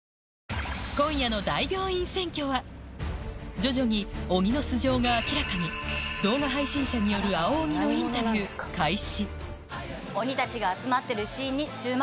徐々に鬼の素性が明らかに動画配信者による青鬼のインタビュー開始鬼たちが集まってるシーンに注目。